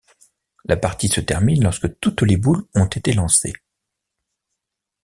La partie se termine lorsque toutes les boules ont été lancées.